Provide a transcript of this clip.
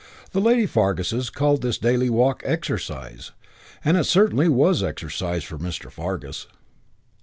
The lady Farguses called this daily walk "exercise"; and it certainly was exercise for Mr. Fargus.